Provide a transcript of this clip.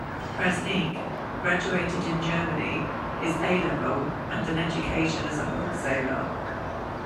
Krasniqi graduated in Germany his A-Level and an education as a wholesaler.